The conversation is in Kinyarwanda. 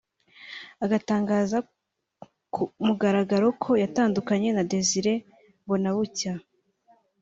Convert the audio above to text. agatangaza ku mugaragaro ko yatandukanye na Desire Mbonabucya